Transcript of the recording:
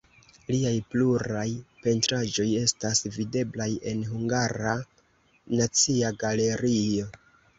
Liaj pluraj pentraĵoj estas videblaj en Hungara Nacia Galerio.